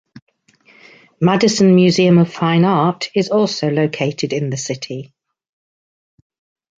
Madison Museum of Fine Art is also located in the city.